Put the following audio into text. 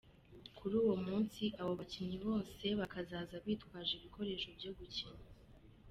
Kuri uwo munsi abo bakinnyi bose bakazaza bitwaje ibikoresho byo gukinana.